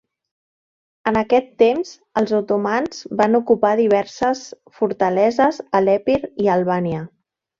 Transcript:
En aquest temps els otomans van ocupar diverses fortaleses a l'Epir i Albània.